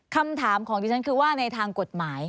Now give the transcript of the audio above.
คำถามของดิฉันคือว่าในทางกฎหมาย